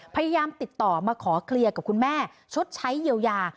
พยายามติดต่อมาขอเคลียร์กับคุณแม่ชดใช้เยียวยา